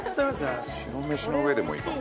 齊藤：白飯の上でもいいかも。